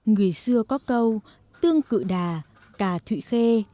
người xưa có câu tương cự đà cà thụy khê